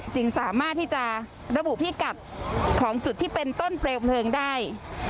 จึงสามารถที่จะระบุพิกัดของจุดที่เป็นต้นเปลวเพลิงได้